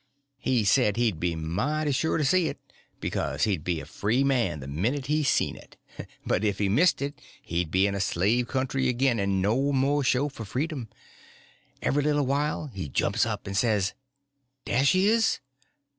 He said he'd be mighty sure to see it, because he'd be a free man the minute he seen it, but if he missed it he'd be in a slave country again and no more show for freedom. Every little while he jumps up and says: "Dah she is?"